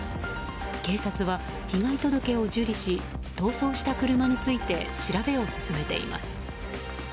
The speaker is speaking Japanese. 警察は被害届を受理し逃走した車について調べを進めています。